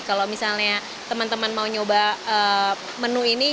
kalau misalnya teman teman mau nyoba menu ini